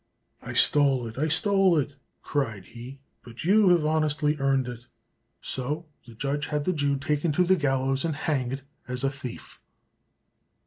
"I stole it, I stole it!" cried he; "but you have honestly earned it." So the judge had the Jew taken to the gallows and hanged as a thief.